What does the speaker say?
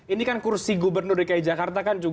ini kan kursi gubernur di ku jakarta kan